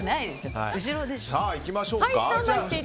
いきましょうか。